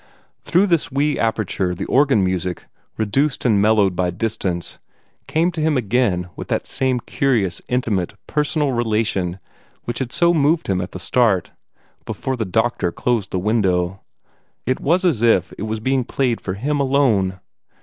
Through this wee aperture the organ music, reduced and mellowed by distance, came to him again with that same curious, intimate, personal relation which had so moved him at the start, before the doctor closed the window. It was as if it was being played for him alone.